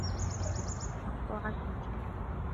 مَقْطُوعَ الْحُجَّةِ